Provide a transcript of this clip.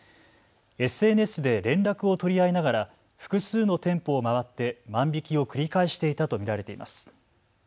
ＳＮＳで連絡を取り合いながら複数の店舗を回って万引きを繰り返していたと見られています。